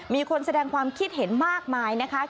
มีคนแสดงความคิดเห็นมากมายนะคะ